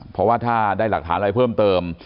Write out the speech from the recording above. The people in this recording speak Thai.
เพราะว่าถ้าได้หลักฐานอะไรเพิ่มเติม